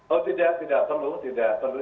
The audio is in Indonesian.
oh tidak tidak perlu tidak perlu